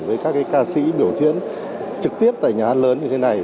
với các ca sĩ biểu diễn trực tiếp tại nhà hát lớn như thế này